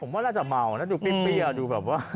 ผมว่าจะเมานะดูปลิ้นเปรี้ยดูแบบว่า